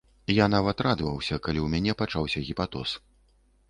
Я нават радаваўся, калі ў мяне пачаўся гепатоз.